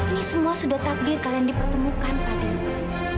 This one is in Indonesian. ini semua sudah takdir kalian dipertemukan fadila